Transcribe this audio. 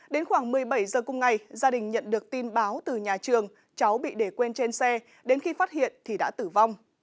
đến khoảng một mươi bảy h cùng ngày gia đình nhận được tin báo từ nhà trường cháu bị để quên trên xe đến khi phát hiện thì đã tử vong